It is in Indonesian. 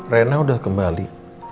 rena udah kembali